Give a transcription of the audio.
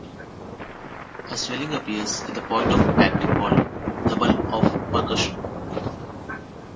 A swelling appears at the point of impact called the "bulb of percussion".